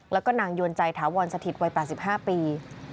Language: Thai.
แล้วก็นางยวนใจถาวรสถิตวัย๘๕ปี